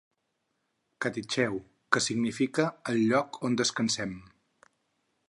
"Caticheu", que significa 'el lloc on descansem'.